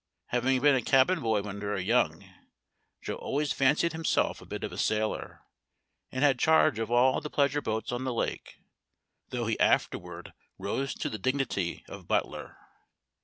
Having been a cabin boy when very young, Joe always fancied himself a bit of a sailor; and had charge of all the pleasure boats on the lake though he afterward rose to the dignity of butler.